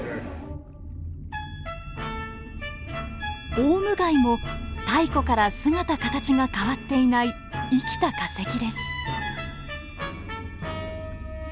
オウムガイも太古から姿形が変わっていない生きた化石です。